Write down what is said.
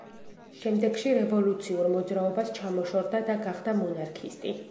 შემდეგში რევოლუციურ მოძრაობას ჩამოშორდა და გახდა მონარქისტი.